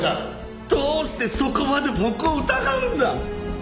どうしてそこまで僕を疑うんだ！